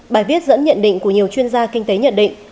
bài viết dẫn nhận định của nhiều chuyên gia kinh tế nhận định